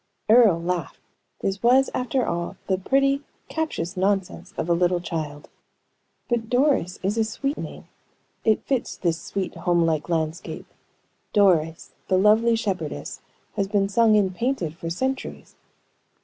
Earle laughed. This was, after all, the pretty, captious nonsense of a little child. "But Doris is a sweet name. It fits this sweet, home like landscape. Doris, the lovely shepherdess, has been sung and painted for centuries."